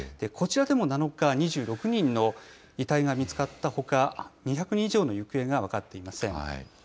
こちらでも７日、２６人の遺体が見つかったほか、２００人以上の行方が分かっていません。